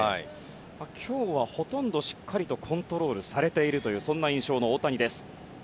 今日はほとんどしっかりとコントロールされているというそんな印象の大谷。